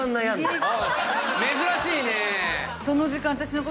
珍しいね。